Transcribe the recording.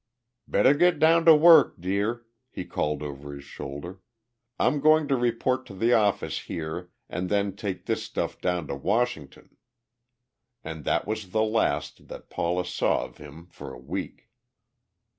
"Better get down to work, dear," he called over his shoulder. "I'm going to report to the office here and then take this stuff down to Washington!" And that was the last that Paula saw of him for a week.